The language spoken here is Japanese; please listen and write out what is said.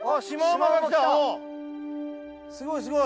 すごいすごい！